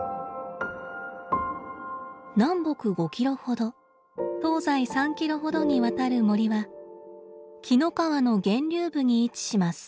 南北５キロほど東西３キロほどにわたる森は紀の川の源流部に位置します。